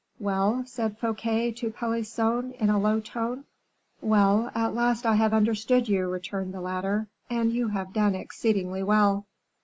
"Well?" said Fouquet to Pelisson, in a low tone. "Well, at last I have understood you," returned the latter; "and you have done exceedingly well."